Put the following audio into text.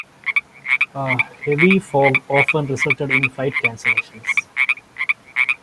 Heavy fog often resulted in flight cancellations.